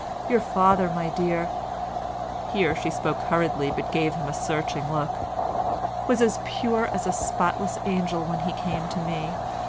Your father, my dear"—(here she spoke hurriedly but gave him a searching look) "was as pure as a spotless angel when he came to me.